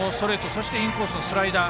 そしてインコースのスライダー。